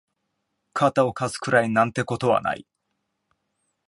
肩を貸すくらいなんてことはない